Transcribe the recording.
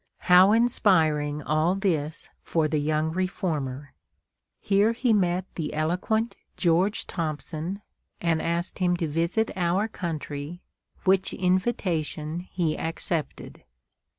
How inspiring all this for the young reformer! Here he met the eloquent George Thompson, and asked him to visit our country, which invitation he accepted.